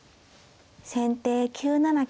先手９七金。